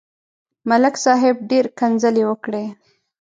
ملک صاحب ډېره کنځلې وکړې.